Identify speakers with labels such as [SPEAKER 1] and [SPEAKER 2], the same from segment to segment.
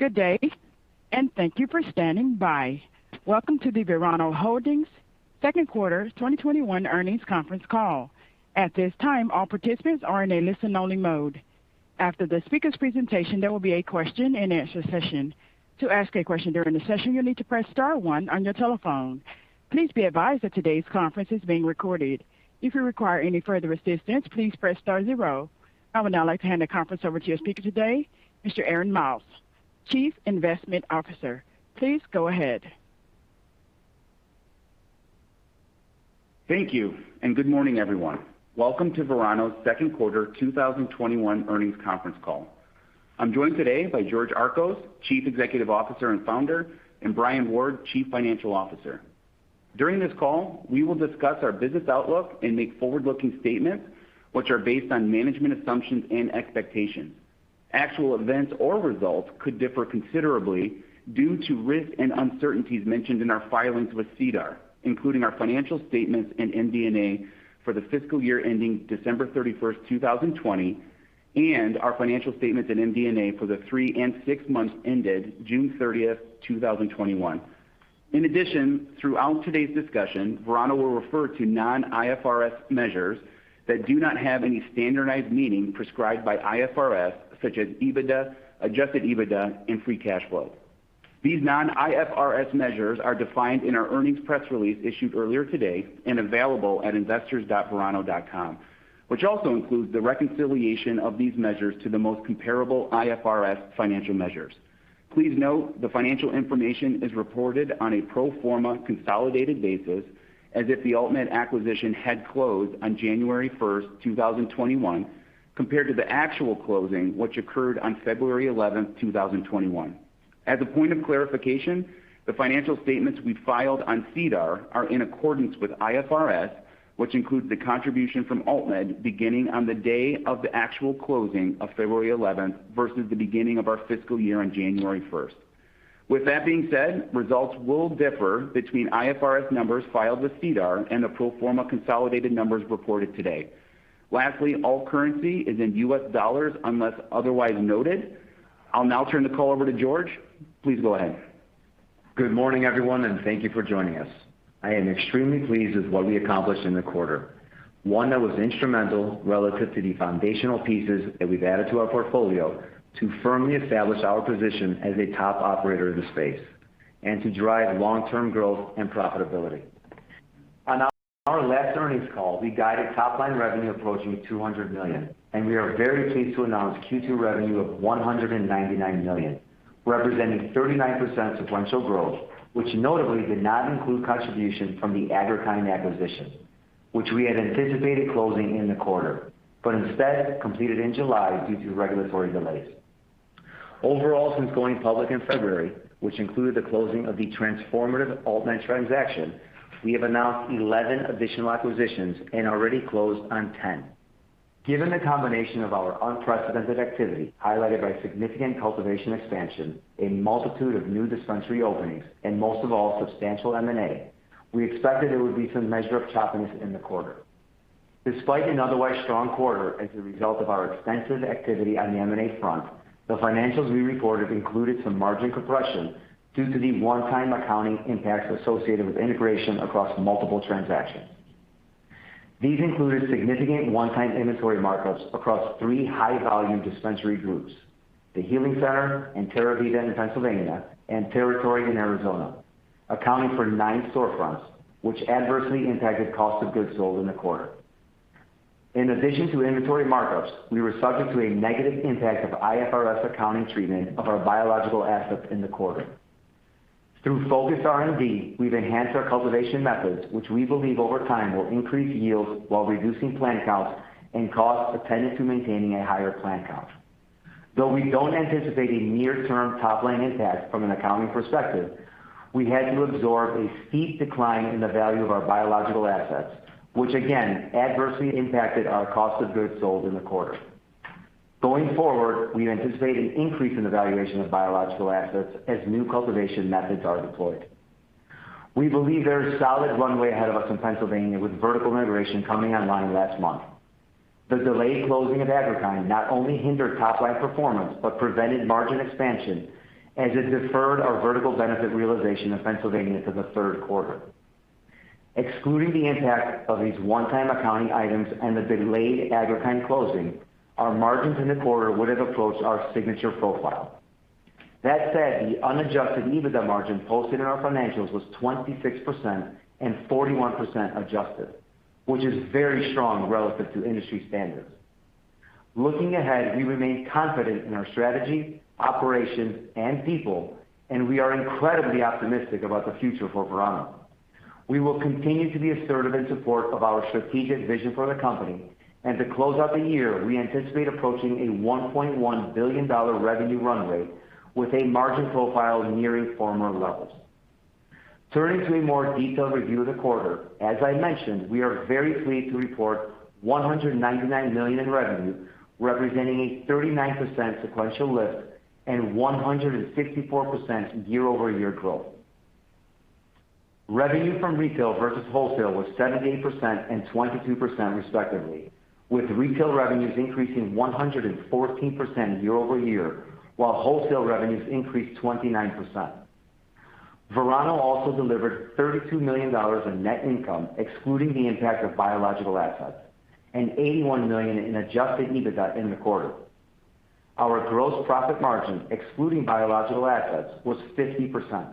[SPEAKER 1] Good day and thank you for standing by. Welcome to the Verano Holdings Second Quarter 2021 Earnings Conference Call. At this time, all participants are in a listen-only mode. After the speaker's presentation, there will be a question-and-answer session. To ask a question during the session, you'll need to press star one on your telephone. Please be advised that today's conference is being recorded. If you require any further assistance, please press star zero. I would now like to hand the conference over to your speaker today, Mr. Aaron Miles, Chief Investment Officer. Please go ahead.
[SPEAKER 2] Thank you, and good morning, everyone. Welcome to Verano's Second Quarter 2021 Earnings Conference Call. I'm joined today by George Archos, Chief Executive Officer and Founder, and Brian Ward, Chief Financial Officer. During this call, we will discuss our business outlook and make forward-looking statements which are based on management assumptions and expectations. Actual events or results could differ considerably due to risks and uncertainties mentioned in our filings with SEDAR, including our financial statements and MD&A for the fiscal year ending December 31st, 2020, and our financial statements and MD&A for the three and six months ended June 30th, 2021. In addition, throughout today's discussion, Verano will refer to non-IFRS measures that do not have any standardized meaning prescribed by IFRS, such as EBITDA, adjusted EBITDA, and free cash flow. These non-IFRS measures are defined in our earnings press release issued earlier today and available at investors.verano.com, which also includes the reconciliation of these measures to the most comparable IFRS financial measures. Please note the financial information is reported on a pro forma consolidated basis as if the AltMed acquisition had closed on January 1st, 2021, compared to the actual closing which occurred on February 11th, 2021. As a point of clarification, the financial statements we filed on SEDAR are in accordance with IFRS, which includes the contribution from AltMed beginning on the day of the actual closing of February 11th versus the beginning of our fiscal year on January 1st. With that being said, results will differ between IFRS numbers filed with SEDAR and the pro forma consolidated numbers reported today. Lastly, all currency is in U.S. dollars unless otherwise noted. I'll now turn the call over to George. Please go ahead.
[SPEAKER 3] Good morning, everyone. Thank you for joining us. I am extremely pleased with what we accomplished in the quarter, one that was instrumental relative to the foundational pieces that we've added to our portfolio to firmly establish our position as a top operator in the space and to drive long-term growth and profitability. On our last earnings call, we guided top-line revenue approaching $200 million, and we are very pleased to announce Q2 revenue of $199 million, representing 39% sequential growth, which notably did not include contribution from the Agri-Kind acquisition, which we had anticipated closing in the quarter, but instead completed in July due to regulatory delays. Overall, since going public in February, which included the closing of the transformative AltMed transaction, we have announced 11 additional acquisitions and already closed on 10. Given the combination of our unprecedented activity highlighted by significant cultivation expansion, a multitude of new dispensary openings, and most of all, substantial M&A, we expected there would be some measure of choppiness in the quarter. Despite an otherwise strong quarter as a result of our extensive activity on the M&A front, the financials we reported included some margin compression due to the one-time accounting impacts associated with integration across multiple transactions. These included significant one-time inventory markups across three high-volume dispensary groups: The Healing Center and TerraVida in Pennsylvania and Territory in Arizona, accounting for nine storefronts, which adversely impacted cost of goods sold in the quarter. In addition to inventory markups, we were subject to a negative impact of IFRS accounting treatment of our biological assets in the quarter. Through focused R&D, we've enhanced our cultivation methods, which we believe over time will increase yields while reducing plant counts and costs attendant to maintaining a higher plant count. Though we don't anticipate a near-term top-line impact from an accounting perspective, we had to absorb a steep decline in the value of our biological assets, which again adversely impacted our cost of goods sold in the quarter. Going forward, we anticipate an increase in the valuation of biological assets as new cultivation methods are deployed. We believe there is solid runway ahead of us in Pennsylvania with vertical integration coming online last month. The delayed closing of Agri-Kind not only hindered top-line performance but prevented margin expansion as it deferred our vertical benefit realization in Pennsylvania to the third quarter. Excluding the impact of these one-time accounting items and the delayed Agri-Kind closing, our margins in the quarter would have approached our signature profile. That said, the unadjusted EBITDA margin posted in our financials was 26% and 41% adjusted, which is very strong relative to industry standards. Looking ahead, we remain confident in our strategy, operations, and people, and we are incredibly optimistic about the future for Verano. We will continue to be assertive in support of our strategic vision for the company, and to close out the year, we anticipate approaching a $1.1 billion revenue runway with a margin profile nearing former levels. Turning to a more detailed review of the quarter, as I mentioned, we are very pleased to report $199 million in revenue, representing a 39% sequential lift and 164% year-over-year growth. Revenue from retail versus wholesale was 78% and 22% respectively, with retail revenues increasing 114% year-over-year, while wholesale revenues increased 29%. Verano also delivered $32 million in net income, excluding the impact of biological assets, and $81 million in adjusted EBITDA in the quarter. Our gross profit margin, excluding biological assets, was 50%.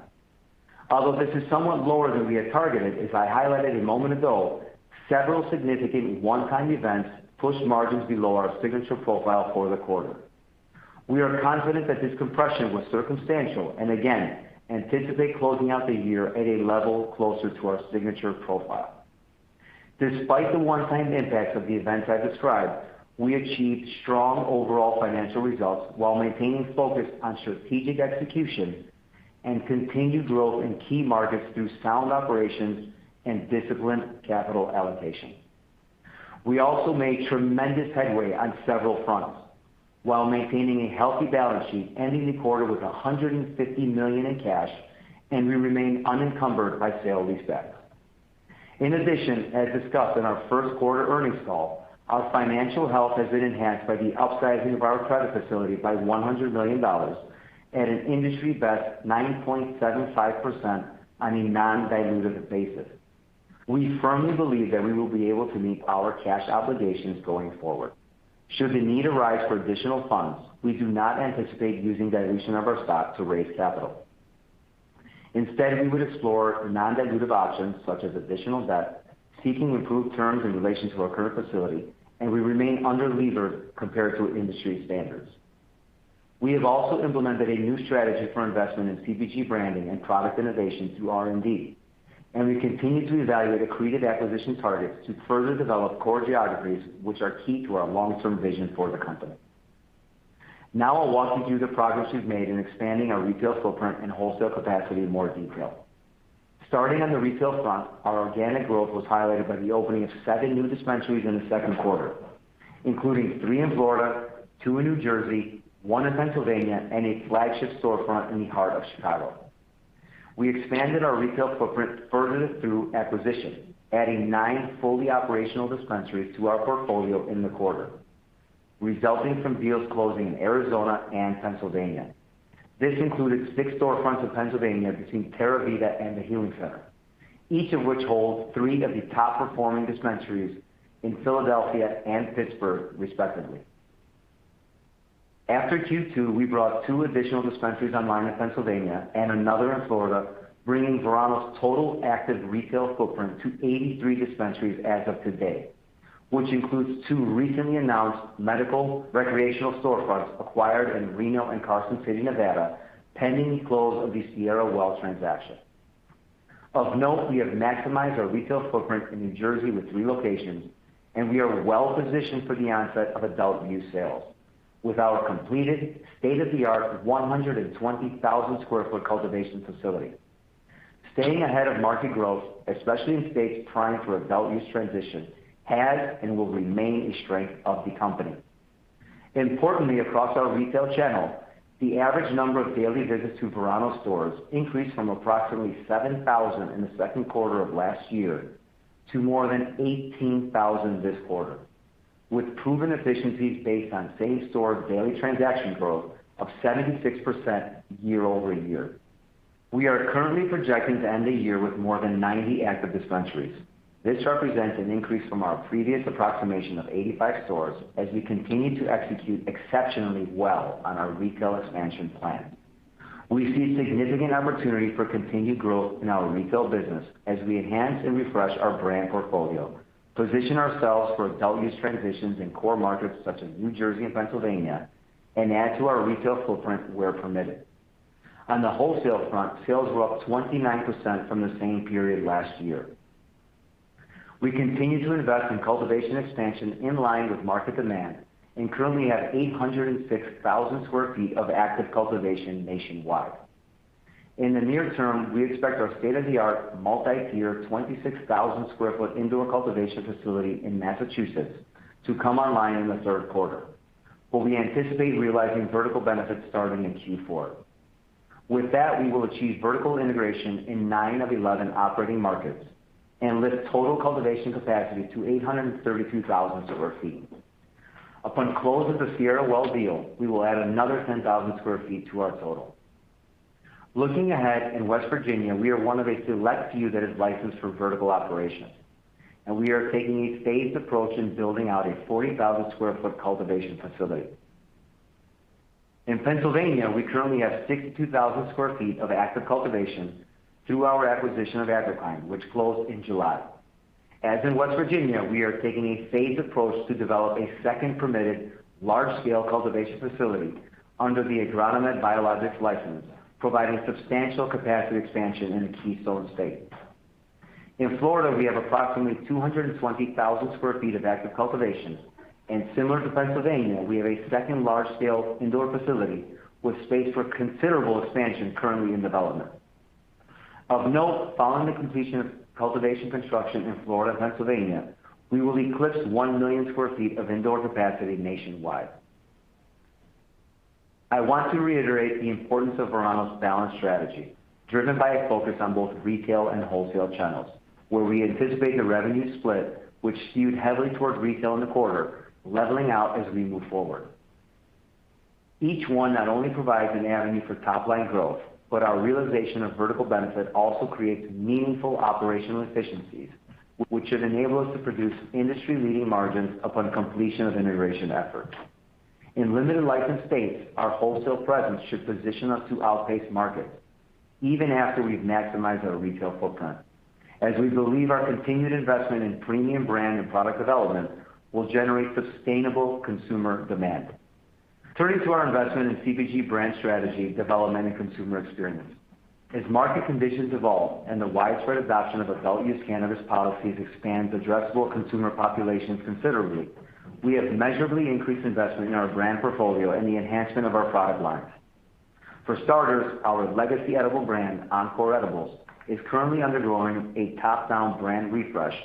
[SPEAKER 3] Although this is somewhat lower than we had targeted, as I highlighted a moment ago, several significant one-time events pushed margins below our signature profile for the quarter. We are confident that this compression was circumstantial, and again, anticipate closing out the year at a level closer to our signature profile. Despite the one-time impacts of the events I described, we achieved strong overall financial results while maintaining focus on strategic execution and continued growth in key markets through sound operations and disciplined capital allocation. We also made tremendous headway on several fronts while maintaining a healthy balance sheet, ending the quarter with $150 million in cash, and we remain unencumbered by sale-leaseback. In addition, as discussed in our first quarter earnings call, our financial health has been enhanced by the upsizing of our credit facility by $100 million at an industry-best 9.75% on a non-dilutive basis. We firmly believe that we will be able to meet our cash obligations going forward. Should the need arise for additional funds, we do not anticipate using dilution of our stock to raise capital. Instead, we would explore non-dilutive options such as additional debt, seeking improved terms in relation to our current facility, and we remain under-levered compared to industry standards. We have also implemented a new strategy for investment in CPG branding and product innovation through R&D, and we continue to evaluate accretive acquisition targets to further develop core geographies which are key to our long-term vision for the company. Now I'll walk you through the progress we've made in expanding our retail footprint and wholesale capacity in more detail. Starting on the retail front, our organic growth was highlighted by the opening of seven new dispensaries in the second quarter, including three in Florida, two in New Jersey, one in Pennsylvania, and a flagship storefront in the heart of Chicago. We expanded our retail footprint further through acquisition, adding nine fully operational dispensaries to our portfolio in the quarter, resulting from deals closing in Arizona and Pennsylvania. This included six storefronts in Pennsylvania between TerraVida and The Healing Center, each of which holds three of the top-performing dispensaries in Philadelphia and Pittsburgh, respectively. After Q2, we brought two additional dispensaries online in Pennsylvania and another in Florida, bringing Verano's total active retail footprint to 83 dispensaries as of today, which includes two recently announced medical recreational storefronts acquired in Reno and Carson City, Nevada, pending the close of the Sierra Well transaction. Of note, we have maximized our retail footprint in New Jersey with three locations. We are well-positioned for the onset of adult-use sales with our completed state-of-the-art 120,000 sq ft cultivation facility. Staying ahead of market growth, especially in states primed for adult-use transition, has and will remain a strength of the company. Importantly, across our retail channel, the average number of daily visits to Verano stores increased from approximately 7,000 in the second quarter of last year to more than 18,000 this quarter, with proven efficiencies based on same-store daily transaction growth of 76% year-over-year. We are currently projecting to end the year with more than 90 active dispensaries. This represents an increase from our previous approximation of 85 stores as we continue to execute exceptionally well on our retail expansion plan. We see significant opportunity for continued growth in our retail business as we enhance and refresh our brand portfolio, position ourselves for adult-use transitions in core markets such as New Jersey and Pennsylvania, and add to our retail footprint where permitted. On the wholesale front, sales were up 29% from the same period last year. We continue to invest in cultivation expansion in line with market demand and currently have 806,000 sq ft of active cultivation nationwide. In the near term, we expect our state-of-the-art multi-tier 26,000 sq ft indoor cultivation facility in Massachusetts to come online in the third quarter, where we anticipate realizing vertical benefits starting in Q4. With that, we will achieve vertical integration in nine of 11 operating markets and lift total cultivation capacity to 832,000 sq ft. Upon close of the Sierra Well deal, we will add another 10,000 sq ft to our total. Looking ahead, in West Virginia, we are one of a select few that is licensed for vertical operations, and we are taking a phased approach in building out a 40,000 sq ft cultivation facility. In Pennsylvania, we currently have 62,000 sq ft of active cultivation through our acquisition of Agri-Kind, which closed in July. As in West Virginia, we are taking a phased approach to develop a second permitted large-scale cultivation facility under the Agronomed Biologics license, providing substantial capacity expansion in the Keystone State. In Florida, we have approximately 220,000 sq ft of active cultivation, and similar to Pennsylvania, we have a second large-scale indoor facility with space for considerable expansion currently in development. Of note, following the completion of cultivation construction in Florida and Pennsylvania, we will eclipse 1 million sq ft of indoor capacity nationwide. I want to reiterate the importance of Verano's balanced strategy, driven by a focus on both retail and wholesale channels, where we anticipate the revenue split, which skewed heavily toward retail in the quarter, leveling out as we move forward. Each one not only provides an avenue for top-line growth, but our realization of vertical benefit also creates meaningful operational efficiencies, which should enable us to produce industry-leading margins upon completion of integration efforts. In limited licensed states, our wholesale presence should position us to outpace markets even after we've maximized our retail footprint, as we believe our continued investment in premium brand and product development will generate sustainable consumer demand. Turning to our investment in CPG brand strategy development and consumer experience. As market conditions evolve and the widespread adoption of adult-use cannabis policies expands addressable consumer populations considerably, we have measurably increased investment in our brand portfolio and the enhancement of our product lines. For starters, our legacy edible brand, Encore Edibles, is currently undergoing a top-down brand refresh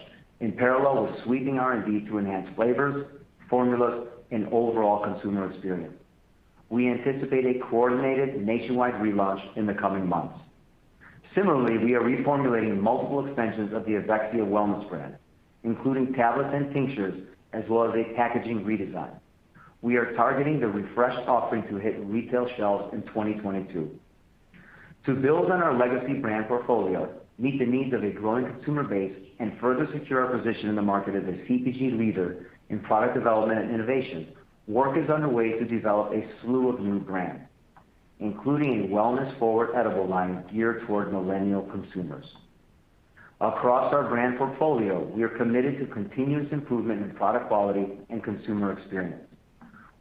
[SPEAKER 3] in parallel with sweeping R&D to enhance flavors, formulas, and overall consumer experience. We anticipate a coordinated nationwide relaunch in the coming months. Similarly, we are reformulating multiple extensions of the Avexia wellness brand, including tablets and tinctures, as well as a packaging redesign. We are targeting the refreshed offering to hit retail shelves in 2022. To build on our legacy brand portfolio, meet the needs of a growing consumer base, and further secure our position in the market as a CPG leader in product development and innovation, work is underway to develop a slew of new brands, including a wellness-forward edible line geared toward millennial consumers. Across our brand portfolio, we are committed to continuous improvement in product quality and consumer experience.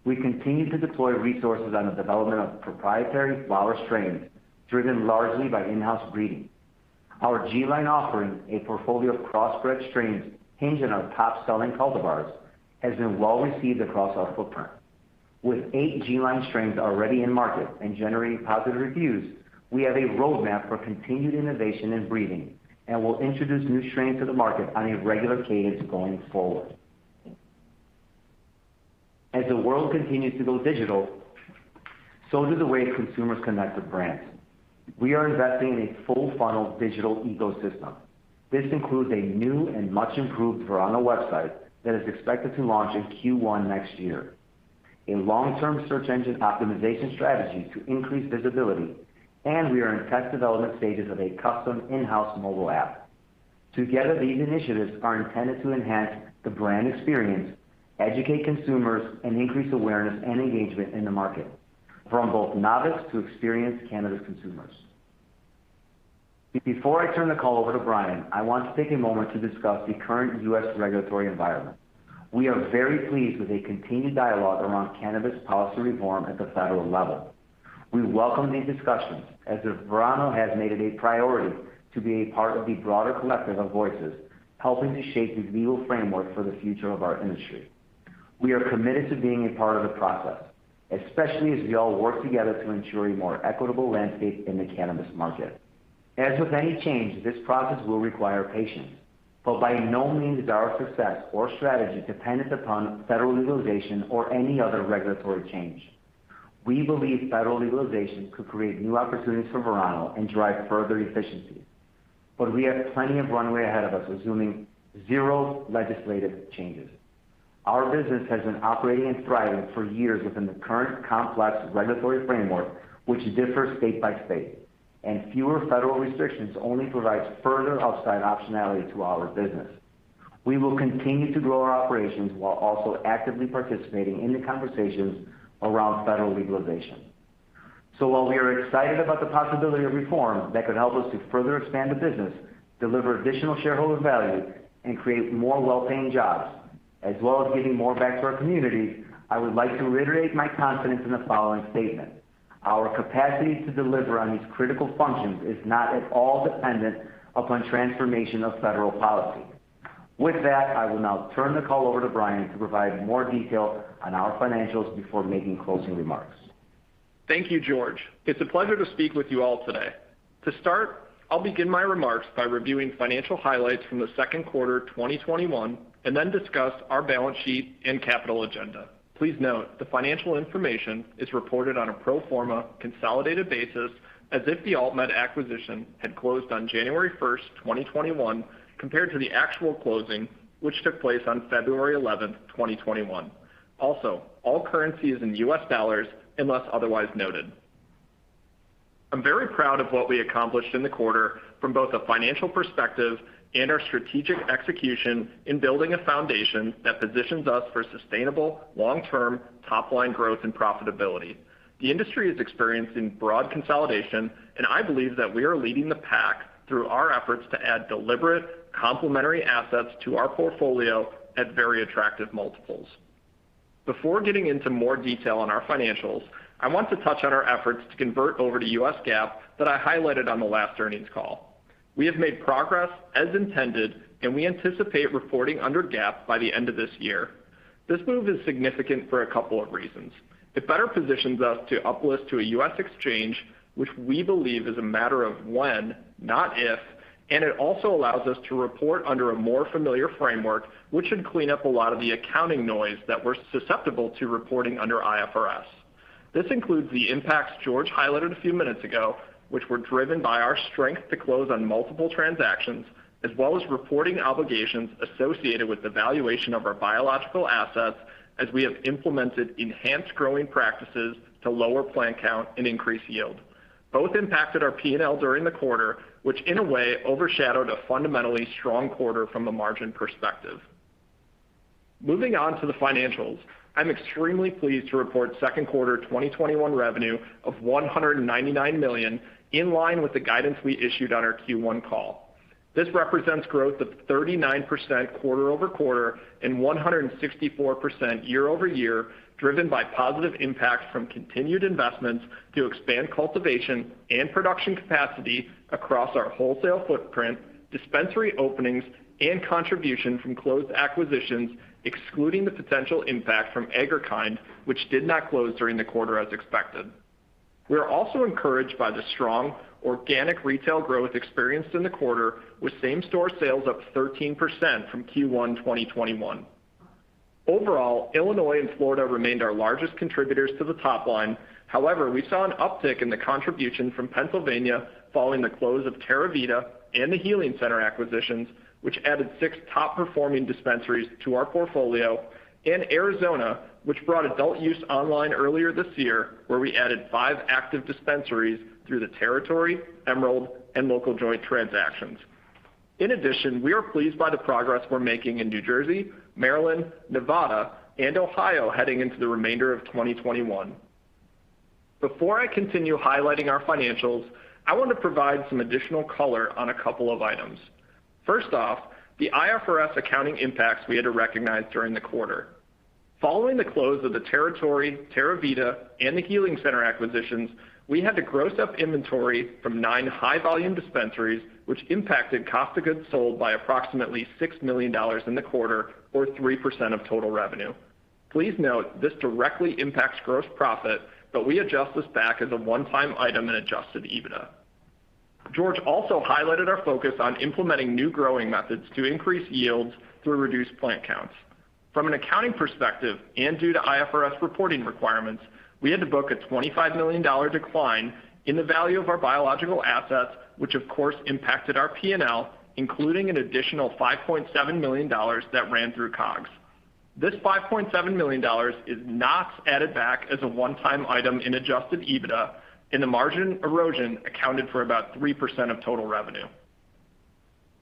[SPEAKER 3] We continue to deploy resources on the development of proprietary flower strains, driven largely by in-house breeding. Our G-Line offering, a portfolio of cross-bred strains hinged on our top-selling cultivars, has been well-received across our footprint. With eight G-Line strains already in market and generating positive reviews, we have a roadmap for continued innovation in breeding and will introduce new strains to the market on a regular cadence going forward. As the world continues to go digital, so do the way consumers connect with brands. We are investing in a full-funnel digital ecosystem. This includes a new and much-improved Verano website that is expected to launch in Q1 next year, a long-term search engine optimization strategy to increase visibility. We are in test development stages of a custom in-house mobile app. Together, these initiatives are intended to enhance the brand experience, educate consumers, and increase awareness and engagement in the market from both novice to experienced cannabis consumers. Before I turn the call over to Brian, I want to take a moment to discuss the current U.S. regulatory environment. We are very pleased with a continued dialogue around cannabis policy reform at the federal level. We welcome these discussions, as Verano has made it a priority to be a part of the broader collective of voices helping to shape the legal framework for the future of our industry. We are committed to being a part of the process, especially as we all work together to ensure a more equitable landscape in the cannabis market. As with any change, this process will require patience, but by no means is our success or strategy dependent upon federal legalization or any other regulatory change. We believe federal legalization could create new opportunities for Verano and drive further efficiencies, but we have plenty of runway ahead of us assuming zero legislative changes. Our business has been operating and thriving for years within the current complex regulatory framework, which differs state by state, and fewer federal restrictions only provides further upside optionality to our business. We will continue to grow our operations while also actively participating in the conversations around federal legalization. While we are excited about the possibility of reform that could help us to further expand the business, deliver additional shareholder value, and create more well-paying jobs, as well as giving more back to our community, I would like to reiterate my confidence in the following statement. Our capacity to deliver on these critical functions is not at all dependent upon transformation of federal policy. With that, I will now turn the call over to Brian to provide more detail on our financials before making closing remarks.
[SPEAKER 4] Thank you, George. It's a pleasure to speak with you all today. To start, I'll begin my remarks by reviewing financial highlights from the second quarter 2021 and then discuss our balance sheet and capital agenda. Please note, the financial information is reported on a pro forma consolidated basis as if the AltMed acquisition had closed on January 1st, 2021, compared to the actual closing, which took place on February 11th, 2021. Also, all currency is in U.S. dollars unless otherwise noted. I'm very proud of what we accomplished in the quarter from both a financial perspective and our strategic execution in building a foundation that positions us for sustainable long-term top-line growth and profitability. The industry is experiencing broad consolidation, and I believe that we are leading the pack through our efforts to add deliberate complementary assets to our portfolio at very attractive multiples. Before getting into more detail on our financials, I want to touch on our efforts to convert over to U.S. GAAP that I highlighted on the last earnings call. We have made progress as intended, and we anticipate reporting under GAAP by the end of this year. This move is significant for a couple of reasons. It better positions us to up-list to a U.S. exchange, which we believe is a matter of when, not if, and it also allows us to report under a more familiar framework, which should clean up a lot of the accounting noise that we're susceptible to reporting under IFRS. This includes the impacts George highlighted a few minutes ago, which were driven by our strength to close on multiple transactions, as well as reporting obligations associated with the valuation of our biological assets as we have implemented enhanced growing practices to lower plant count and increase yield. Both impacted our P&L during the quarter, which in a way overshadowed a fundamentally strong quarter from a margin perspective. Moving on to the financials, I'm extremely pleased to report second quarter 2021 revenue of $199 million, in line with the guidance we issued on our Q1 call. This represents growth of 39% quarter-over-quarter and 164% year-over-year, driven by positive impacts from continued investments to expand cultivation and production capacity across our wholesale footprint, dispensary openings, and contribution from closed acquisitions, excluding the potential impact from Agri-Kind, which did not close during the quarter as expected. We are also encouraged by the strong organic retail growth experienced in the quarter, with same-store sales up 13% from Q1 2021. Overall, Illinois and Florida remained our largest contributors to the top line. However, we saw an uptick in the contribution from Pennsylvania following the close of TerraVida and The Healing Center acquisitions, which added six top-performing dispensaries to our portfolio, and Arizona, which brought adult-use online earlier this year, where we added five active dispensaries through the Territory, Emerald, and Local Joint transactions. In addition, we are pleased by the progress we're making in New Jersey, Maryland, Nevada, and Ohio heading into the remainder of 2021. Before I continue highlighting our financials, I want to provide some additional color on a couple of items. First off, the IFRS accounting impacts we had to recognize during the quarter. Following the close of the Territory, TerraVida, and The Healing Center acquisitions, we had to gross up inventory from nine high-volume dispensaries, which impacted cost of goods sold by approximately $6 million in the quarter, or 3% of total revenue. Please note, this directly impacts gross profit, but we adjust this back as a one-time item in adjusted EBITDA. George also highlighted our focus on implementing new growing methods to increase yields through reduced plant counts. From an accounting perspective, and due to IFRS reporting requirements, we had to book a $25 million decline in the value of our biological assets, which of course impacted our P&L, including an additional $5.7 million that ran through COGS. This $5.7 million is not added back as a one-time item in adjusted EBITDA, and the margin erosion accounted for about 3% of total revenue.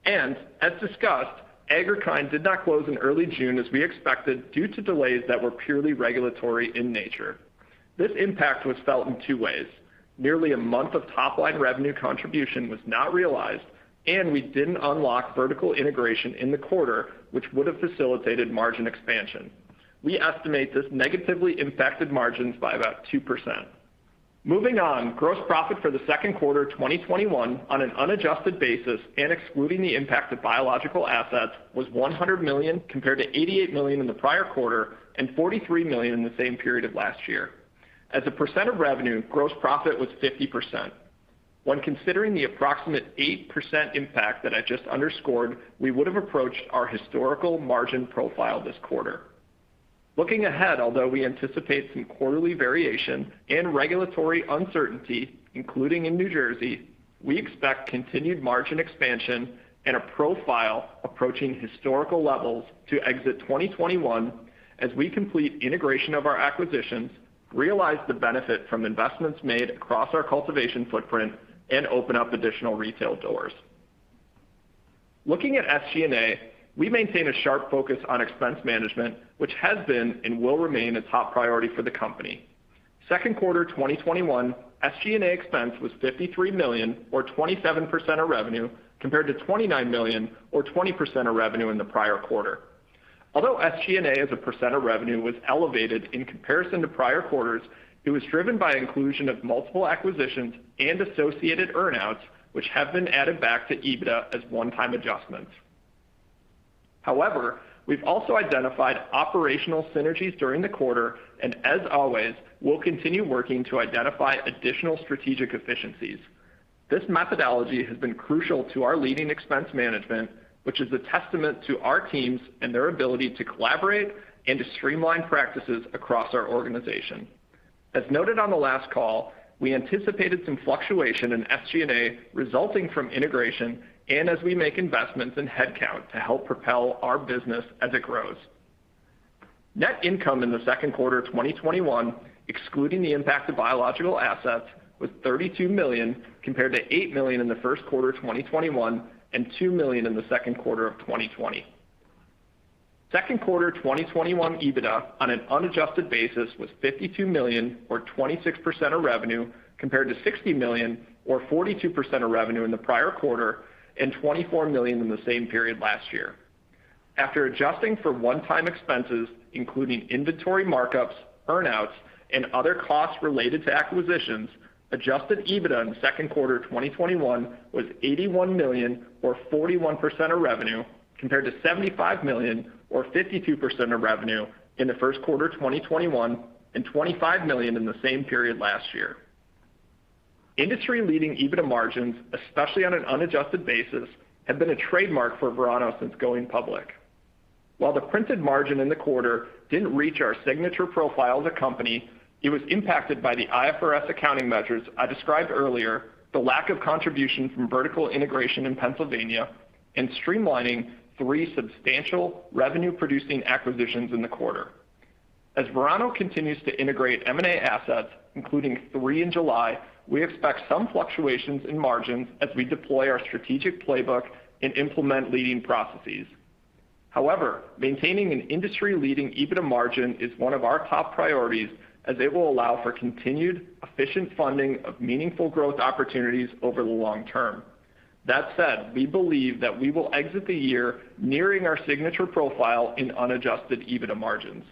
[SPEAKER 4] As discussed, Agri-Kind did not close in early June as we expected due to delays that were purely regulatory in nature. This impact was felt in two ways. Nearly a month of top-line revenue contribution was not realized, and we didn't unlock vertical integration in the quarter, which would have facilitated margin expansion. We estimate this negatively impacted margins by about 2%. Moving on, gross profit for the second quarter 2021 on an unadjusted basis and excluding the impact of biological assets was $100 million compared to $88 million in the prior quarter and $43 million in the same period of last year. As a percent of revenue, gross profit was 50%. When considering the approximate 8% impact that I just underscored, we would have approached our historical margin profile this quarter. Looking ahead, although we anticipate some quarterly variation and regulatory uncertainty, including in New Jersey, we expect continued margin expansion and a profile approaching historical levels to exit 2021 as we complete integration of our acquisitions, realize the benefit from investments made across our cultivation footprint, and open up additional retail doors. Looking at SG&A, we maintain a sharp focus on expense management, which has been and will remain a top priority for the company. Second quarter 2021, SG&A expense was $53 million or 27% of revenue compared to $29 million or 20% of revenue in the prior quarter. Although SG&A as a percent of revenue was elevated in comparison to prior quarters, it was driven by inclusion of multiple acquisitions and associated earn-outs, which have been added back to EBITDA as one-time adjustments. However, we've also identified operational synergies during the quarter, and as always, we'll continue working to identify additional strategic efficiencies. This methodology has been crucial to our leading expense management, which is a testament to our teams and their ability to collaborate and to streamline practices across our organization. As noted on the last call, we anticipated some fluctuation in SG&A resulting from integration and as we make investments in headcount to help propel our business as it grows. Net income in the second quarter 2021, excluding the impact of biological assets, was $32 million compared to $8 million in the first quarter 2021 and $2 million in the second quarter of 2020. Second quarter 2021 EBITDA on an unadjusted basis was $52 million or 26% of revenue compared to $60 million or 42% of revenue in the prior quarter and $24 million in the same period last year. After adjusting for one-time expenses, including inventory markups, earn-outs, and other costs related to acquisitions, adjusted EBITDA in the second quarter 2021 was $81 million or 41% of revenue compared to $75 million or 52% of revenue in the first quarter 2021 and $25 million in the same period last year. Industry-leading EBITDA margins, especially on an unadjusted basis, have been a trademark for Verano since going public. While the printed margin in the quarter didn't reach our signature profile as a company, it was impacted by the IFRS accounting measures I described earlier, the lack of contribution from vertical integration in Pennsylvania, and streamlining three substantial revenue-producing acquisitions in the quarter. As Verano continues to integrate M&A assets, including three in July, we expect some fluctuations in margins as we deploy our strategic playbook and implement leading processes. However, maintaining an industry-leading EBITDA margin is one of our top priorities, as it will allow for continued efficient funding of meaningful growth opportunities over the long term. That said, we believe that we will exit the year nearing our signature profile in unadjusted EBITDA margins.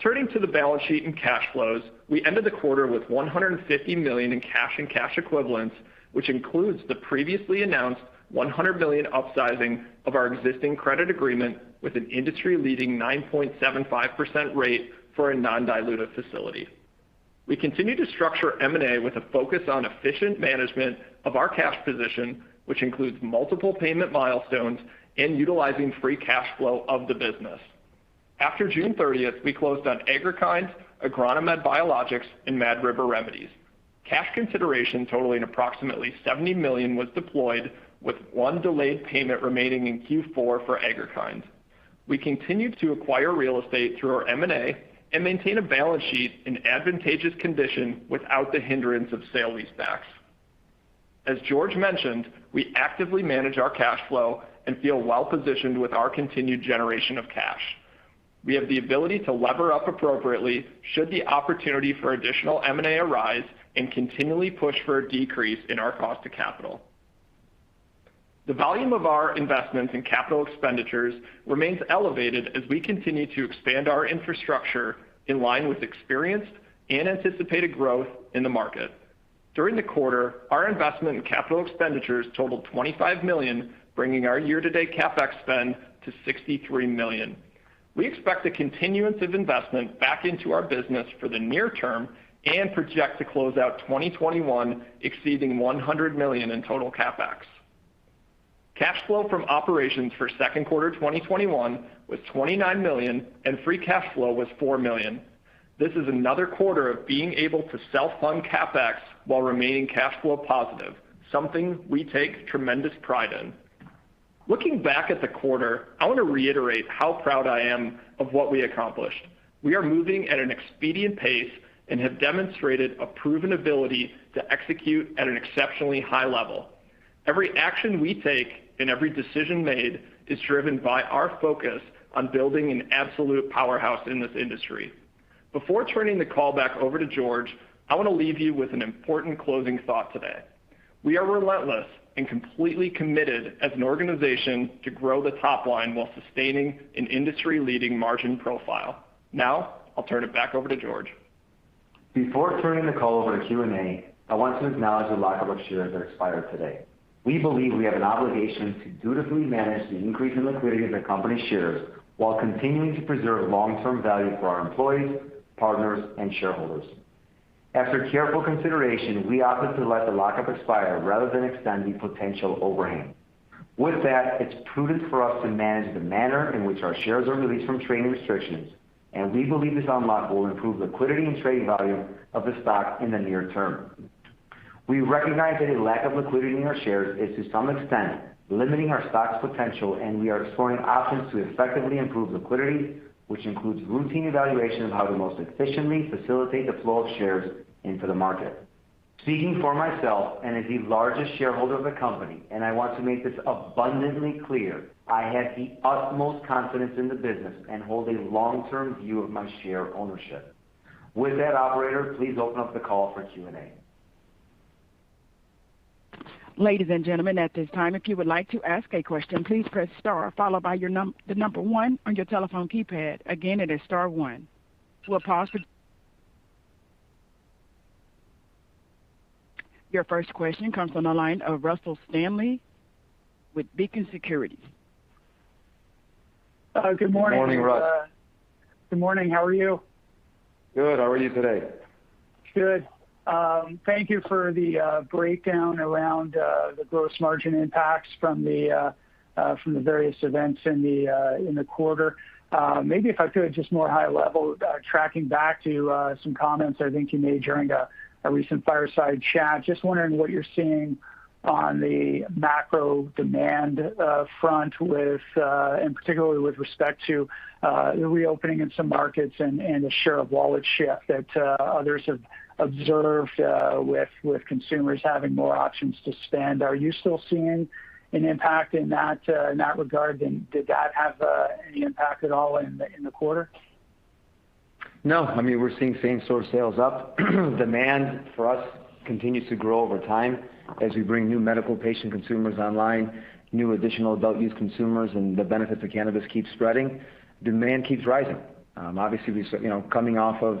[SPEAKER 4] Turning to the balance sheet and cash flows, we ended the quarter with $150 million in cash and cash equivalents, which includes the previously announced $100 million upsizing of our existing credit agreement with an industry-leading 9.75% rate for a non-dilutive facility. We continue to structure M&A with a focus on efficient management of our cash position, which includes multiple payment milestones and utilizing free cash flow of the business. After June 30th, we closed on Agri-Kind, Agronomed Biologics, and Mad River Remedies. Cash consideration totaling approximately $70 million was deployed, with one delayed payment remaining in Q4 for Agri-Kind. We continue to acquire real estate through our M&A and maintain a balance sheet in advantageous condition without the hindrance of sale-leasebacks. As George mentioned, we actively manage our cash flow and feel well-positioned with our continued generation of cash. We have the ability to lever up appropriately should the opportunity for additional M&A arise and continually push for a decrease in our cost to capital. The volume of our investments in capital expenditures remains elevated as we continue to expand our infrastructure in line with experienced and anticipated growth in the market. During the quarter, our investment in capital expenditures totaled $25 million, bringing our year-to-date CapEx spend to $63 million. We expect a continuance of investment back into our business for the near term and project to close out 2021 exceeding $100 million in total CapEx. Cash flow from operations for second quarter 2021 was $29 million, and free cash flow was $4 million. This is another quarter of being able to self-fund CapEx while remaining cash flow positive, something we take tremendous pride in. Looking back at the quarter, I want to reiterate how proud I am of what we accomplished. We are moving at an expedient pace and have demonstrated a proven ability to execute at an exceptionally high level. Every action we take and every decision made is driven by our focus on building an absolute powerhouse in this industry. Before turning the call back over to George, I want to leave you with an important closing thought today. We are relentless and completely committed as an organization to grow the top line while sustaining an industry-leading margin profile. Now, I'll turn it back over to George.
[SPEAKER 3] Before turning the call over to Q&A, I want to acknowledge the lockup of shares that expired today. We believe we have an obligation to dutifully manage the increase in liquidity of the company's shares while continuing to preserve long-term value for our employees, partners, and shareholders. After careful consideration, we opted to let the lockup expire rather than extend the potential overhang. With that, it's prudent for us to manage the manner in which our shares are released from trading restrictions, and we believe this unlock will improve liquidity and trading volume of the stock in the near term. We recognize that a lack of liquidity in our shares is to some extent limiting our stock's potential, and we are exploring options to effectively improve liquidity, which includes routine evaluation of how to most efficiently facilitate the flow of shares into the market. Speaking for myself and as the largest shareholder of the company, and I want to make this abundantly clear, I have the utmost confidence in the business and hold a long-term view of my share ownership. With that, operator, please open up the call for Q&A.
[SPEAKER 1] Ladies and gentlemen, at this time, if you would like to ask a question, please press star followed by the number one on your telephone keypad. Again, it is star one. Your first question comes from the line of Russell Stanley with Beacon Securities.
[SPEAKER 5] Good morning.
[SPEAKER 3] Morning, Russ.
[SPEAKER 5] Good morning. How are you?
[SPEAKER 3] Good. How are you today?
[SPEAKER 5] Good. Thank you for the breakdown around the gross margin impacts from the various events in the quarter. Maybe if I could, just more high level, tracking back to some comments I think you made during a recent fireside chat. Just wondering what you're seeing on the macro demand front with and particularly with respect to the reopening in some markets and the share of wallet shift that others have observed with consumers having more options to spend. Are you still seeing an impact in that in that regard? Did that have any impact at all in the quarter?
[SPEAKER 3] No. I mean, we're seeing same-store sales up. Demand for us continues to grow over time as we bring new medical patient consumers online, new additional adult-use consumers, and the benefits of cannabis keep spreading. Demand keeps rising. Obviously, you know, coming off of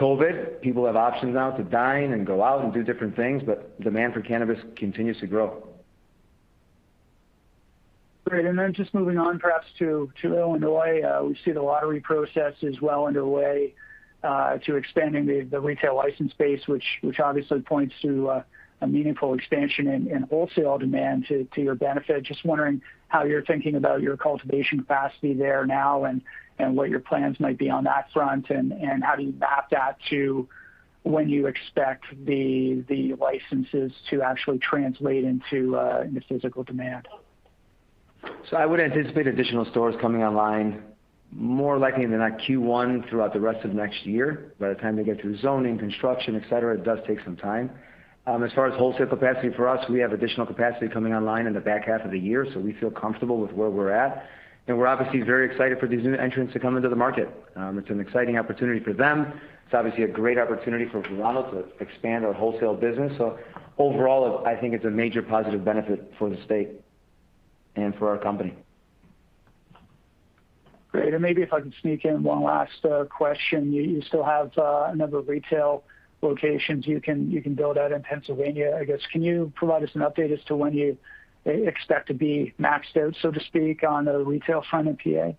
[SPEAKER 3] COVID, people have options now to dine and go out and do different things, but demand for cannabis continues to grow.
[SPEAKER 5] Great. Just moving on perhaps to Illinois, we see the lottery process is well underway to expanding the retail license base, which obviously points to a meaningful expansion in wholesale demand to your benefit. Just wondering how you're thinking about your cultivation capacity there now and what your plans might be on that front and how do you map that to when you expect the licenses to actually translate into physical demand?
[SPEAKER 3] I would anticipate additional stores coming online more likely than not Q1 throughout the rest of next year. By the time they get through zoning, construction, et cetera, it does take some time. As far as wholesale capacity for us, we have additional capacity coming online in the back half of the year, so we feel comfortable with where we're at. We're obviously very excited for these new entrants to come into the market. It's an exciting opportunity for them. It's obviously a great opportunity for Verano to expand our wholesale business. Overall, I think it's a major positive benefit for the state and for our company.
[SPEAKER 5] Great. Maybe if I could sneak in one last question. You still have a number of retail locations you can build out in Pennsylvania. I guess, can you provide us an update as to when you expect to be maxed out, so to speak, on the retail front in PA?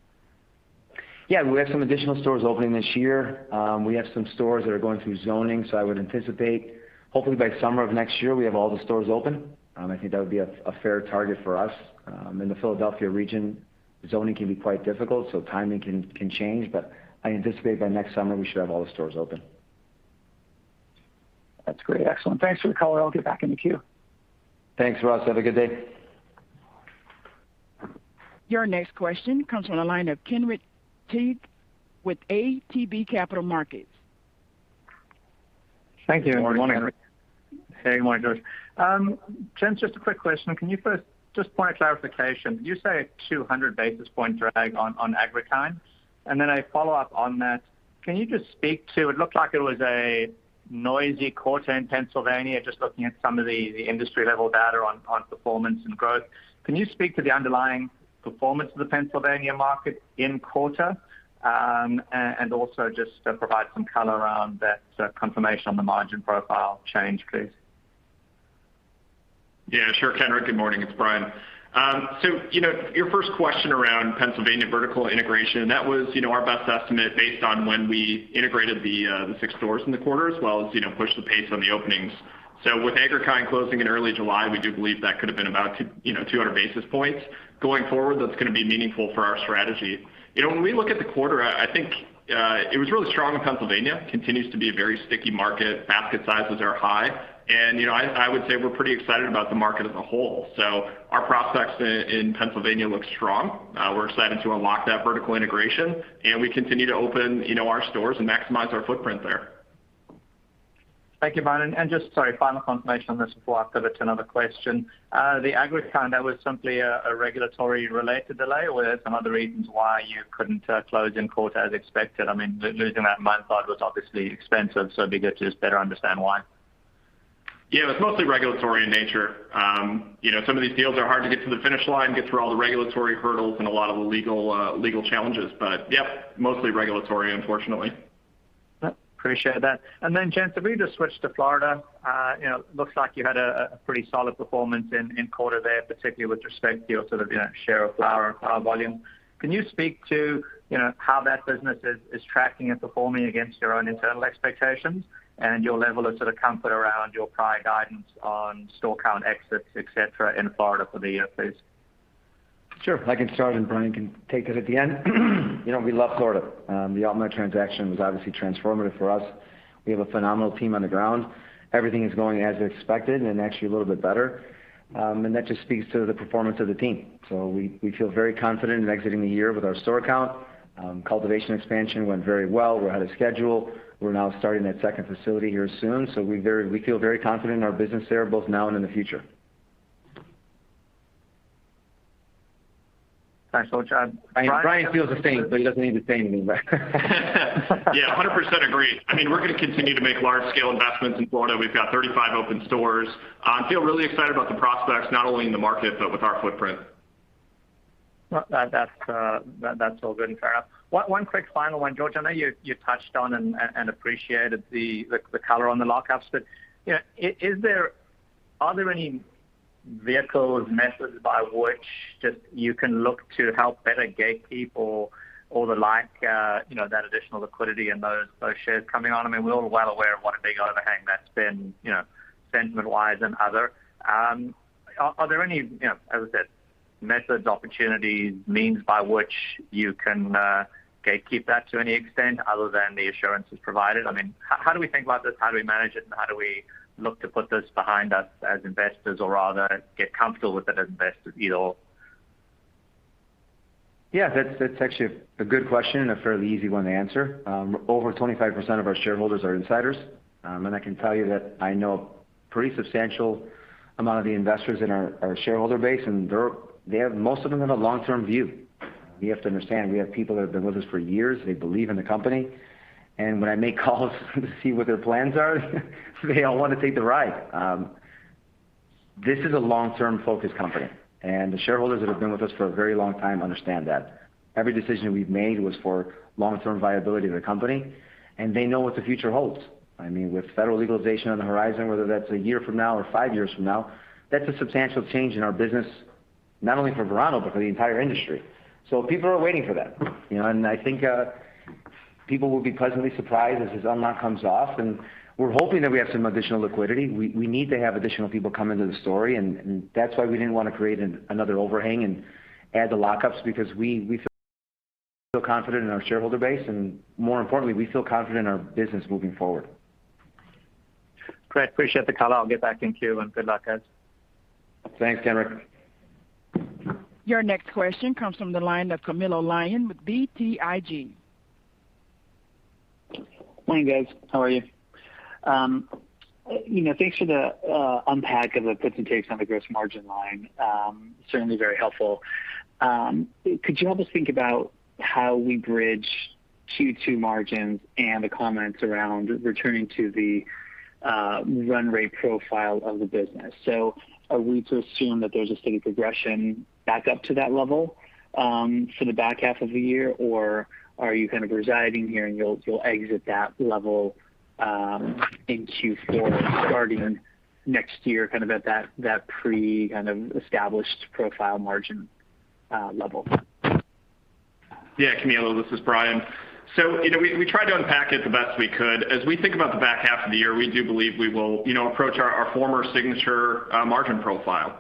[SPEAKER 3] We have some additional stores opening this year. We have some stores that are going through zoning. I would anticipate hopefully by summer of next year, we have all the stores open. I think that would be a fair target for us. In the Philadelphia region, zoning can be quite difficult. Timing can change, I anticipate by next summer we should have all the stores open.
[SPEAKER 5] That's great. Excellent. Thanks for the color. I'll get back in the queue.
[SPEAKER 3] Thanks, Russ. Have a good day.
[SPEAKER 1] Your next question comes from the line of Kenric Tyghe with ATB Capital Markets.
[SPEAKER 6] Thank you.
[SPEAKER 3] Morning, Kenric.
[SPEAKER 6] Hey. Morning, George. Chance, just a quick question. Can you first just point of clarification, you say a 200 basis point drag on Agri-Kind. A follow-up on that, can you just speak to It looked like it was a noisy quarter in Pennsylvania, just looking at some of the industry-level data on performance and growth. Can you speak to the underlying performance of the Pennsylvania market in quarter and also just provide some color around that confirmation on the margin profile change, please?
[SPEAKER 4] Yeah, sure, Kenric. Good morning. It's Brian. You know, your first question around Pennsylvania vertical integration, that was, you know, our best estimate based on when we integrated the six stores in the quarter, as well as, you know, push the pace on the openings. With Agri-Kind closing in early July, we do believe that could have been about 200 basis points. Going forward, that's gonna be meaningful for our strategy. You know, when we look at the quarter, I think it was really strong in Pennsylvania. Continues to be a very sticky market. Basket sizes are high. You know, I would say we're pretty excited about the market as a whole. Our prospects in Pennsylvania look strong. We're excited to unlock that vertical integration, and we continue to open, you know, our stores and maximize our footprint there.
[SPEAKER 6] Thank you, Brian. Sorry, final confirmation on this before I pivot to another question. The Agri-Kind, that was simply a regulatory related delay? Were there some other reasons why you couldn't close in quarter as expected? I mean, losing that amount side was obviously expensive, it'd be good to just better understand why.
[SPEAKER 4] Yeah. It was mostly regulatory in nature. you know, some of these deals are hard to get to the finish line, get through all the regulatory hurdles and a lot of the legal challenges. Yeah, mostly regulatory, unfortunately.
[SPEAKER 6] Appreciate that. Chance, if we just switch to Florida, you know, looks like you had a pretty solid performance in quarter there, particularly with respect to your sort of, you know, share of flower volume. Can you speak to, you know, how that business is tracking and performing against your own internal expectations and your level of sort of comfort around your prior guidance on store count exits, et cetera, in Florida for the year, please?
[SPEAKER 3] Sure. I can start. Brian can take it at the end. You know, we love Florida. The AltMed transaction was obviously transformative for us. We have a phenomenal team on the ground. Everything is going as expected and actually a little bit better. That just speaks to the performance of the team. We feel very confident in exiting the year with our store count. Cultivation expansion went very well. We're ahead of schedule. We're now starting that second facility here soon. We feel very confident in our business there, both now and in the future.
[SPEAKER 6] Thanks, George.
[SPEAKER 3] Brian feels the same, but he doesn't need to say anything back.
[SPEAKER 4] Yeah, 100% agree. I mean, we're gonna continue to make large-scale investments in Florida. We've got 35 open stores. We feel really excited about the prospects, not only in the market, but with our footprint.
[SPEAKER 6] Well, that's, that's all good and fair. One quick final one, George. I know you touched on and appreciated the color on the lockups, but, you know, are there any vehicles, methods by which just you can look to help better gatekeep or the like, you know, that additional liquidity and those shares coming on? I mean, we're all well aware of what a big overhang that's been, you know, sentiment-wise and other. Are there any, you know, as I said, methods, opportunities, means by which you can gatekeep that to any extent other than the assurances provided? I mean, how do we think about this? How do we manage it, and how do we look to put this behind us as investors or rather get comfortable with it as investors either?
[SPEAKER 3] Yeah, that's actually a good question and a fairly easy one to answer. Over 25% of our shareholders are insiders. I can tell you that I know a pretty substantial amount of the investors in our shareholder base, and most of them have a long-term view. You have to understand, we have people that have been with us for years. They believe in the company. When I make calls to see what their plans are, they all want to take the ride. This is a long-term focused company, and the shareholders that have been with us for a very long time understand that. Every decision we've made was for long-term viability of the company, and they know what the future holds. I mean, with federal legalization on the horizon, whether that's one year from now or five years from now, that's a substantial change in our business, not only for Verano, but for the entire industry. People are waiting for that. You know, and I think people will be pleasantly surprised as this unlock comes off, and we're hoping that we have some additional liquidity. We need to have additional people come into the story and that's why we didn't wanna create another overhang and add the lockups because we feel confident in our shareholder base, and more importantly, we feel confident in our business moving forward.
[SPEAKER 6] Great. Appreciate the color. I'll get back in queue. Good luck, guys.
[SPEAKER 3] Thanks, Kenric.
[SPEAKER 1] Your next question comes from the line of Camilo Lyon with BTIG.
[SPEAKER 7] Morning, guys. How are you? You know, thanks for the unpack of the puts and takes on the gross margin line. Certainly very helpful. Could you help us think about how we bridge Q2 margins and the comments around returning to the run rate profile of the business? Are we to assume that there's a steady progression back up to that level for the back half of the year, or are you kind of residing here and you'll exit that level in Q4 starting next year, kind of at that pre kind of established profile margin level?
[SPEAKER 4] Yeah, Camilo, this is Brian. You know, we tried to unpack it the best we could. As we think about the back half of the year, we do believe we will, you know, approach our former signature margin profile.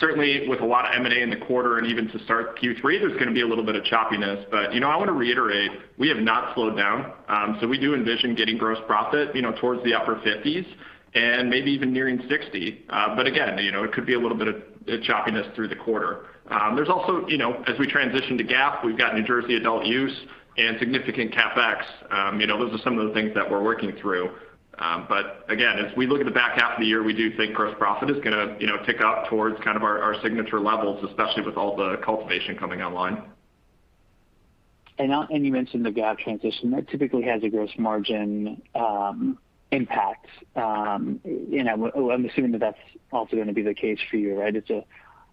[SPEAKER 4] Certainly with a lot of M&A in the quarter and even to start Q3, there's gonna be a little bit of choppiness. You know, I wanna reiterate, we have not slowed down. We do envision getting gross profit, you know, towards the upper 50s and maybe even nearing 60%. Again, you know, it could be a little bit of choppiness through the quarter. There's also, you know, as we transition to GAAP, we've got New Jersey adult-use and significant CapEx. You know, those are some of the things that we're working through. Again, as we look at the back half of the year, we do think gross profit is gonna, you know, tick up towards kind of our signature levels, especially with all the cultivation coming online.
[SPEAKER 7] You mentioned the GAAP transition. That typically has a gross margin impact. You know, I'm assuming that that's also gonna be the case for you, right? It's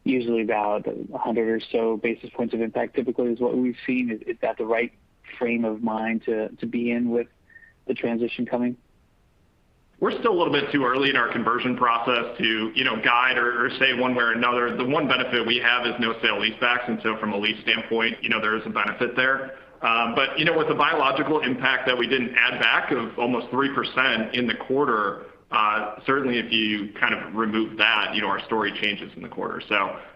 [SPEAKER 7] usually about 100 or so basis points of impact typically is what we've seen. Is that the right frame of mind to be in with the transition coming?
[SPEAKER 4] We're still a little bit too early in our conversion process to, you know, guide or say one way or another. The one benefit we have is no sale-leasebacks. From a lease standpoint, you know, there is a benefit there. You know, with the biological impact that we didn't add back of almost 3% in the quarter, certainly if you kind of remove that, you know, our story changes in the quarter.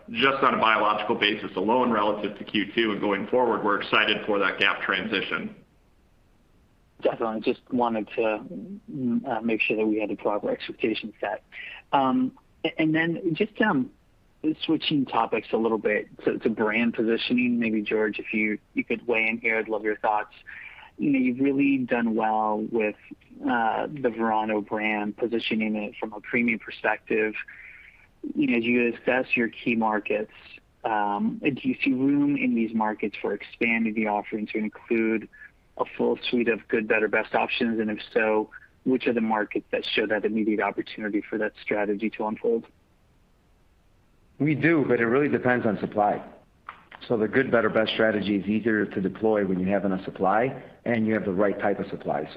[SPEAKER 4] Just on a biological basis alone relative to Q2 and going forward, we're excited for that GAAP transition.
[SPEAKER 7] Definitely. Just wanted to make sure that we had the proper expectations set. Just switching topics, a little bit to brand positioning. Maybe, George, if you could weigh in here, I'd love your thoughts. You know, you've really done well with the Verano brand, positioning it from a premium perspective. You know, as you assess your key markets, do you see room in these markets for expanding the offerings to include a full suite of good, better, best options? If so, which are the markets that show that immediate opportunity for that strategy to unfold?
[SPEAKER 3] We do, it really depends on supply. The good, better, best strategy is easier to deploy when you have enough supply and you have the right type of supply.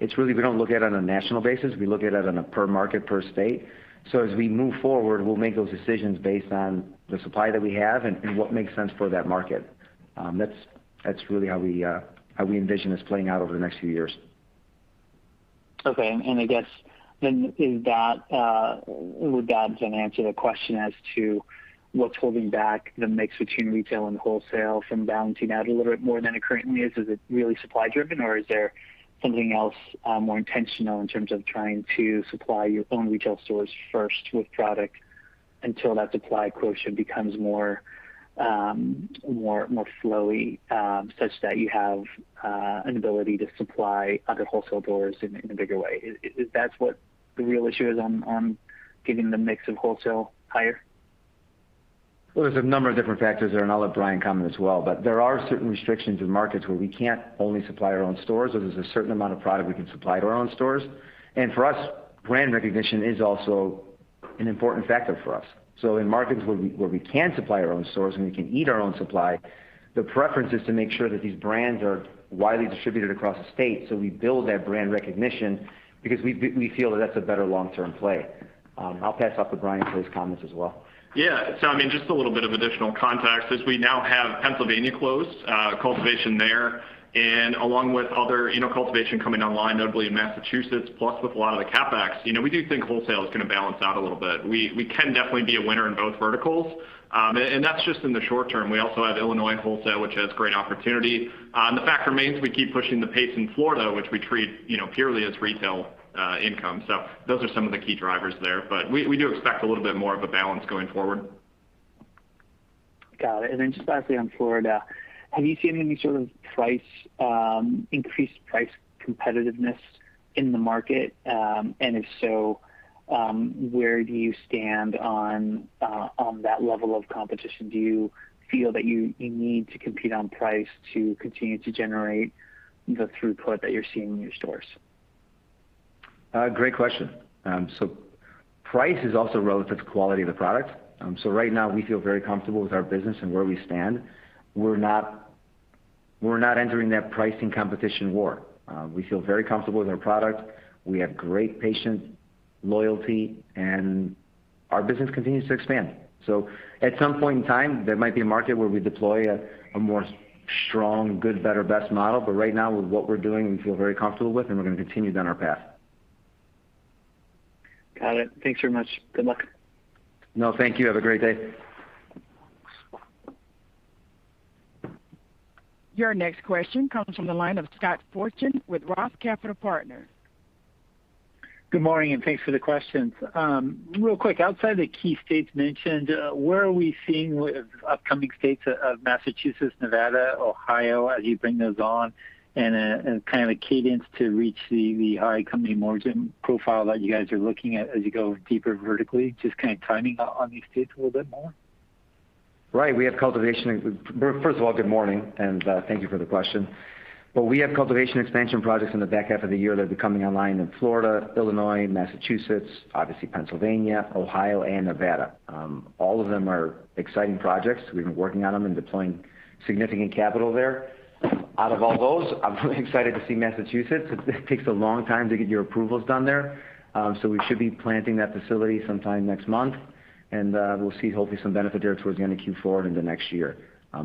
[SPEAKER 3] It's really, we don't look at it on a national basis, we look at it on a per market, per state. As we move forward, we'll make those decisions based on the supply that we have and what makes sense for that market. That's really how we envision this playing out over the next few years.
[SPEAKER 7] Okay. I guess then is that, would that then answer the question as to what's holding back the mix between retail and wholesale from balancing out a little bit more than it currently is? Is it really supply driven, or is there something else, more intentional in terms of trying to supply your own retail stores first with product until that supply quotient becomes more flowy, such that you have an ability to supply other wholesale doors in a bigger way? Is that what the real issue is on getting the mix of wholesale higher?
[SPEAKER 3] Well, there's a number of different factors there, and I'll let Brian comment as well. There are certain restrictions in markets where we can't only supply our own stores, or there's a certain amount of product we can supply to our own stores. For us, brand recognition is also an important factor for us. In markets where we can supply our own stores and we can eat our own supply, the preference is to make sure that these brands are widely distributed across the state, so we build that brand recognition because we feel that that's a better long-term play. I'll pass off to Brian for his comments as well.
[SPEAKER 4] Yeah. I mean, just a little bit of additional context is we now have Pennsylvania closed, cultivation there, along with other, you know, cultivation coming online, notably in Massachusetts, plus with a lot of the CapEx, you know, we do think wholesale is going to balance out a little bit. We can definitely be a winner in both verticals. That's just in the short term. We also have Illinois wholesale, which has great opportunity. The fact remains we keep pushing the pace in Florida, which we treat, you know, purely as retail income. Those are some of the key drivers there. We do expect a little bit more of a balance going forward.
[SPEAKER 7] Got it. Just lastly on Florida, have you seen any sort of price, increased price competitiveness in the market? If so, where do you stand on that level of competition? Do you feel that you need to compete on price to continue to generate the throughput that you're seeing in your stores?
[SPEAKER 3] Great question. Price is also relative to quality of the product. Right now we feel very comfortable with our business and where we stand. We're not entering that pricing competition war. We feel very comfortable with our product. We have great patient loyalty, and our business continues to expand. At some point in time, there might be a market where we deploy a more strong, good, better, best model. Right now, with what we're doing, we feel very comfortable with, and we're gonna continue down our path.
[SPEAKER 7] Got it. Thanks very much. Good luck.
[SPEAKER 3] No, thank you. Have a great day.
[SPEAKER 1] Your next question comes from the line of Scott Fortune with ROTH Capital Partners.
[SPEAKER 8] Good morning. Thanks for the questions. Real quick, outside the key states mentioned, where are we seeing with upcoming states of Massachusetts, Nevada, Ohio as you bring those on, and kind of a cadence to reach the high company margin profile that you guys are looking at as you go deeper vertically? Just kind of timing on these dates a little bit more.
[SPEAKER 3] Right. We have cultivation. First of all, good morning, and thank you for the question. We have cultivation expansion projects in the back half of the year that'll be coming online in Florida, Illinois, Massachusetts, obviously Pennsylvania, Ohio, and Nevada. All of them are exciting projects. We've been working on them and deploying significant capital there. Out of all those, I'm really excited to see Massachusetts. It takes a long time to get your approvals done there. We should be planting that facility sometime next month, and we'll see hopefully some benefit there towards the end of Q4 into next year.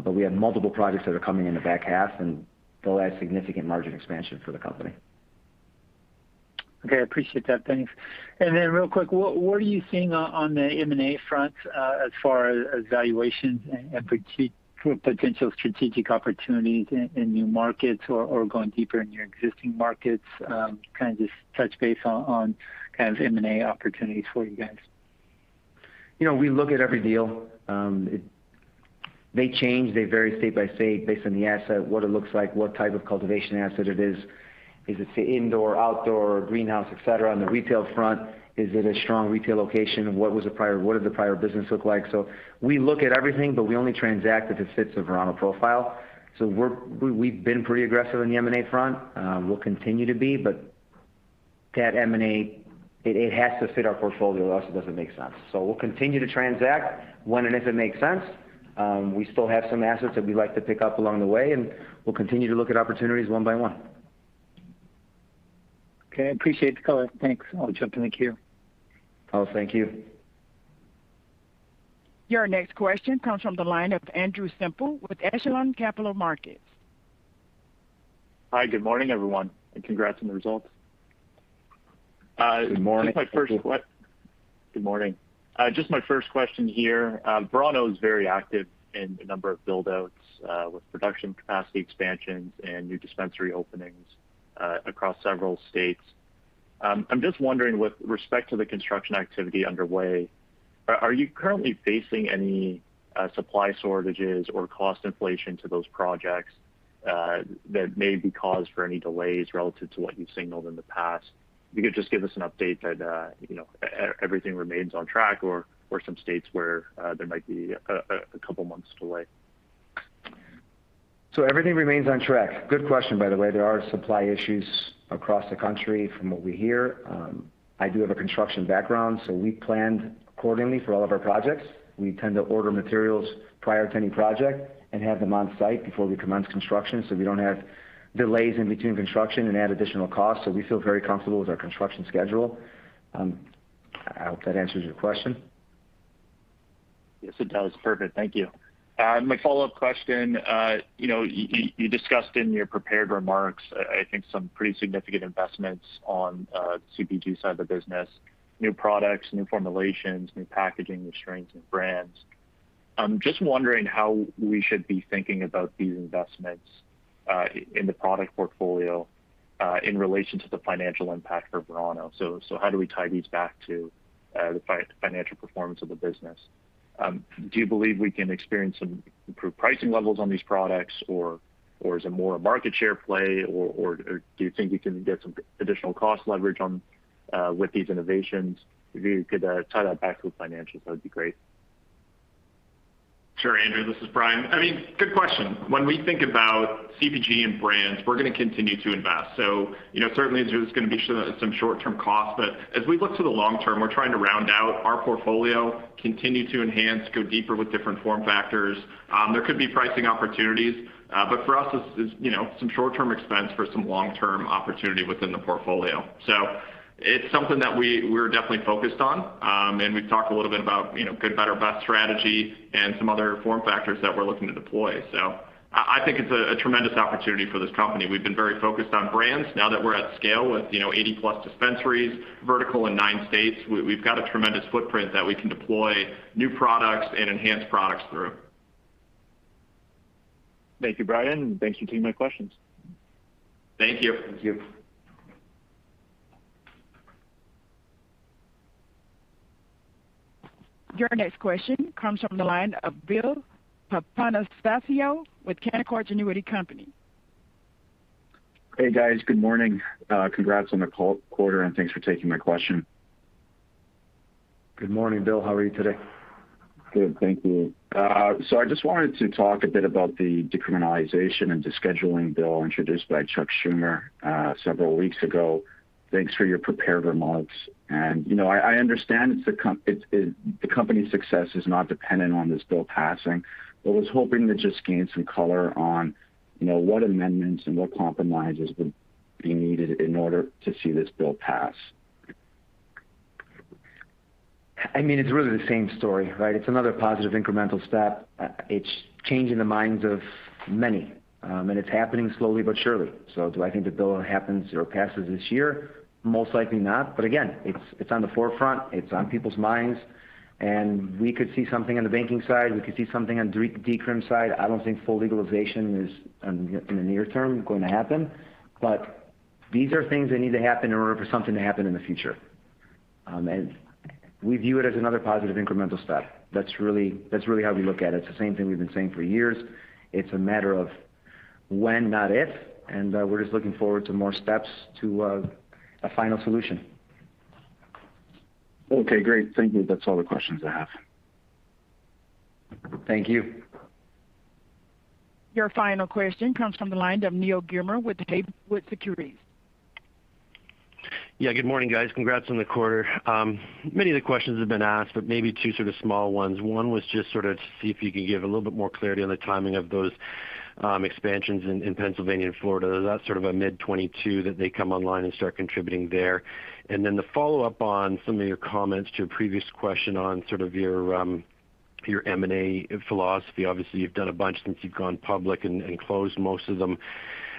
[SPEAKER 3] We have multiple projects that are coming in the back half, and they'll add significant margin expansion for the company.
[SPEAKER 8] Okay. I appreciate that. Thanks. Then real quick, what are you seeing on the M&A front as far as evaluations and potential strategic opportunities in new markets or going deeper in your existing markets? Kind of just touch base on kind of M&A opportunities for you guys.
[SPEAKER 3] You know, we look at every deal. They change, they vary state by state based on the asset, what it looks like, what type of cultivation asset it is. Is it say indoor, outdoor, greenhouse, et cetera? On the retail front, is it a strong retail location? What did the prior business look like? We look at everything, but we only transact if it fits the Verano profile. We've been pretty aggressive in the M&A front. We'll continue to be, but that M&A, it has to fit our portfolio, or else it doesn't make sense. We'll continue to transact when and if it makes sense. We still have some assets that we'd like to pick up along the way, and we'll continue to look at opportunities one by one.
[SPEAKER 8] Okay. I appreciate the color. Thanks. I'll jump in the queue.
[SPEAKER 3] Oh, thank you.
[SPEAKER 1] Your next question comes from the line of Andrew Semple with Echelon Capital Markets.
[SPEAKER 9] Hi. Good morning, everyone, and congrats on the results.
[SPEAKER 3] Good morning.
[SPEAKER 9] Good morning. Just my first question here. Verano is very active in a number of buildouts, with production capacity expansions and new dispensary openings across several states. I'm just wondering, with respect to the construction activity underway, are you currently facing any supply shortages or cost inflation to those projects that may be cause for any delays relative to what you've signaled in the past? If you could just give us an update that, you know, everything remains on track or some states where there might be a couple months delay.
[SPEAKER 3] Everything remains on track. Good question, by the way. There are supply issues across the country from what we hear. I do have a construction background, so we planned accordingly for all of our projects. We tend to order materials prior to any project and have them on site before we commence construction, so we don't have delays in between construction and add additional costs. We feel very comfortable with our construction schedule. I hope that answers your question.
[SPEAKER 9] Yes, it does. Perfect. Thank you. My follow-up question, you know, you discussed in your prepared remarks, I think some pretty significant investments on the CPG side of the business, new products, new formulations, new packaging, new strains, new brands. I'm just wondering how we should be thinking about these investments in the product portfolio in relation to the financial impact for Verano. How do we tie these back to the financial performance of the business? Do you believe we can experience some improved pricing levels on these products or is it more a market share play or do you think you can get some additional cost leverage with these innovations? If you could tie that back to the financials, that would be great.
[SPEAKER 4] Sure, Andrew. This is Brian. I mean, good question. When we think about CPG and brands, we're gonna continue to invest. You know, certainly there's gonna be some short-term costs, but as we look to the long term, we're trying to round out our portfolio, continue to enhance, go deeper with different form factors. There could be pricing opportunities, but for us it's, you know, some short-term expense for some long-term opportunity within the portfolio. It's something that we're definitely focused on. We've talked a little bit about, you know, good, better, best strategy and some other form factors that we're looking to deploy. I think it's a tremendous opportunity for this company. We've been very focused on brands now that we're at scale with, you know, 80+ dispensaries, vertical in nine states. We've got a tremendous footprint that we can deploy new products and enhance products through.
[SPEAKER 9] Thank you, Brian, and thanks for taking my questions.
[SPEAKER 4] Thank you.
[SPEAKER 3] Thank you.
[SPEAKER 1] Your next question comes from the line of Bill Papanastasiou with Canaccord Genuity.
[SPEAKER 10] Hey, guys. Good morning. Congrats on the quarter, and thanks for taking my question.
[SPEAKER 3] Good morning, Bill. How are you today?
[SPEAKER 10] Good, thank you. I just wanted to talk a bit about the decriminalization and descheduling bill introduced by Chuck Schumer several weeks ago. Thanks for your prepared remarks. You know, I understand the company's success is not dependent on this bill passing, but was hoping to just gain some color on, you know, what amendments and what compromises would be needed in order to see this bill pass.
[SPEAKER 3] I mean, it's really the same story, right? It's another positive incremental step. It's changing the minds of many, and it's happening slowly but surely. Do I think the bill happens or passes this year? Most likely not. Again, it's on the forefront, it's on people's minds, and we could see something on the banking side, we could see something on decrim side. I don't think full legalization is in the near term going to happen. These are things that need to happen in order for something to happen in the future. We view it as another positive incremental step. That's really how we look at it. It's the same thing we've been saying for years. It's a matter of when, not if, and we're just looking forward to more steps to a final solution.
[SPEAKER 10] Okay, great. Thank you. That's all the questions I have.
[SPEAKER 3] Thank you.
[SPEAKER 1] Your final question comes from the line of Neal Gilmer with Haywood Securities.
[SPEAKER 11] Yeah, good morning, guys. Congrats on the quarter. Many of the questions have been asked, but maybe two sort of small ones. One was just sort of to see if you could give a little bit more clarity on the timing of those expansions in Pennsylvania and Florida. Is that sort of a mid 2022 that they come online and start contributing there? To follow up on some of your comments to a previous question on sort of your M&A philosophy. Obviously, you've done a bunch since you've gone public and closed most of them.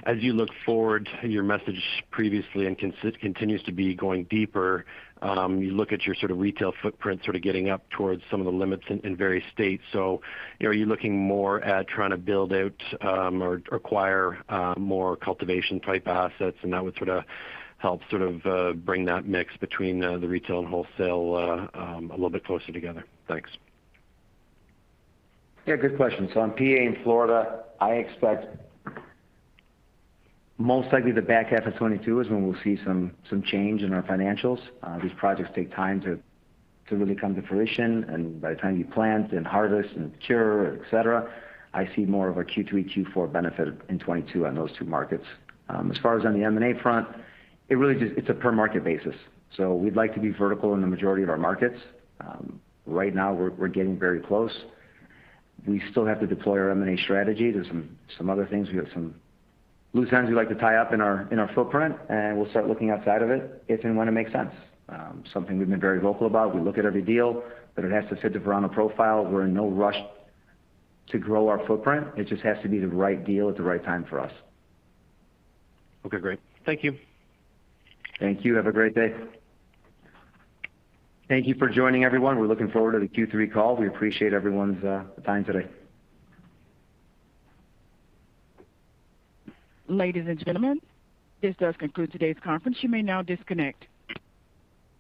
[SPEAKER 11] As you look forward, your message previously and continues to be going deeper, you look at your sort of retail footprint sort of getting up towards some of the limits in various states. You know, are you looking more at trying to build out or acquire more cultivation-type assets, and that would sort of help bring that mix between the retail and wholesale a little bit closer together? Thanks.
[SPEAKER 3] Yeah, good question. On PA and Florida, I expect most likely the back half of 2022 is when we'll see some change in our financials. These projects take time to really come to fruition, and by the time you plant and harvest and cure, et cetera, I see more of a Q3, Q4 benefit in 2022 on those two markets. As far as on the M&A front, it really, it's a per market basis. We'd like to be vertical in the majority of our markets. Right now, we're getting very close. We still have to deploy our M&A strategy. There're some other things. We have some loose ends we like to tie up in our footprint, and we'll start looking outside of it if and when it makes sense. Something we've been very vocal about. We look at every deal, but it has to fit the Verano profile. We're in no rush to grow our footprint. It just has to be the right deal at the right time for us.
[SPEAKER 11] Okay, great. Thank you.
[SPEAKER 3] Thank you. Have a great day. Thank you for joining, everyone. We're looking forward to the Q3 call. We appreciate everyone's time today.
[SPEAKER 1] Ladies and gentlemen, this does conclude today's conference. You may now disconnect.